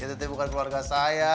itu bukan keluarga saya